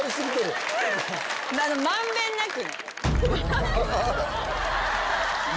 満遍なくね。